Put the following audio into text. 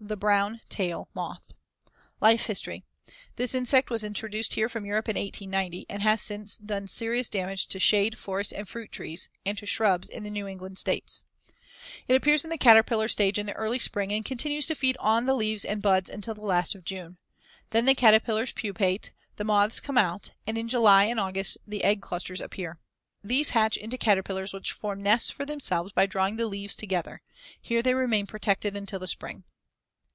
THE BROWN TAIL MOTH Life history: This insect was introduced here from Europe in 1890 and has since done serious damage to shade, forest, and fruit trees, and to shrubs in the New England States. It appears in the caterpillar stage in the early spring and continues to feed on the leaves and buds until the last of June. Then the caterpillars pupate, the moths come out, and in July and August the egg clusters appear. These hatch into caterpillars which form nests for themselves by drawing the leaves together. Here they remain protected until the spring. See Fig.